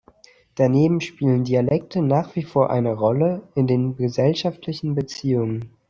Daneben spielen Dialekte nach wie vor eine Rolle in den gesellschaftlichen Beziehungen.